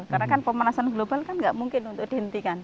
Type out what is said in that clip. karena kan pemanasan global kan gak mungkin untuk dihentikan